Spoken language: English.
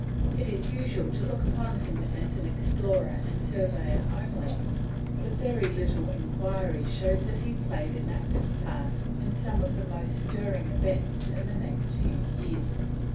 It is usual to look upon him as an explorer and surveyor only, but a little enquiry shows that he played an active part in some of the most stirring events of the next few years.